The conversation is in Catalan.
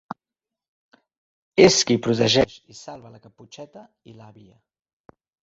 És qui protegeix i salva la Caputxeta i l'àvia.